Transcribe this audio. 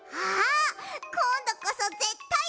こんどこそぜったいわかった！